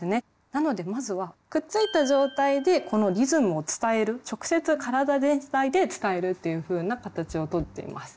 なのでまずはくっついた状態でこのリズムを伝える直接体全体で伝えるというふうな形をとっています。